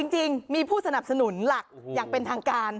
จริงมีผู้สนับสนุนหลักอย่างเป็นทางการ